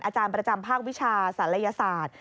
อาจารย์ประจำภาควิชาศัลยศาสตร์